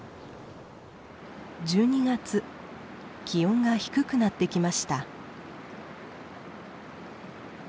気温が低くなってきました。